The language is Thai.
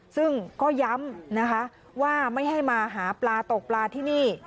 ซึ่งก็ย้ำนะคะว่าไม่ให้มาหาปลาตกปลาที่นี่